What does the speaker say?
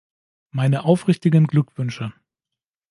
Meine aufrichtigen Glückwünsche.